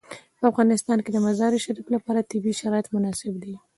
په افغانستان کې د مزارشریف لپاره طبیعي شرایط مناسب دي.